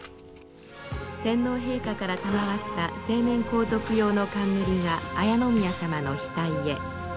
天皇陛下から賜った成年皇族用の冠が礼宮さまの額へ。